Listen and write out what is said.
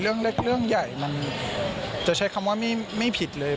เรื่องเล็กเรื่องใหญ่มันจะใช้คำว่าไม่ผิดเลย